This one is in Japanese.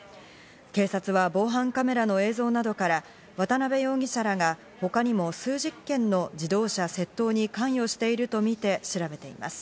警察は防犯カメラの映像などから渡辺容疑者らが他にも数１０件の自動車窃盗に関与しているとみて調べています。